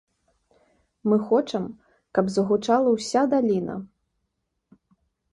Мы хочам, каб загучала ўся даліна!